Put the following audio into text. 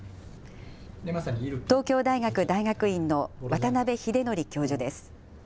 東京大学大学院の渡邉英徳教授です。